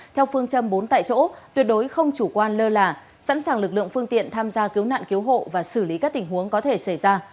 theo phương châm bốn tại chỗ tuyệt đối không chủ quan lơ là sẵn sàng lực lượng phương tiện tham gia cứu nạn cứu hộ và xử lý các tình huống có thể xảy ra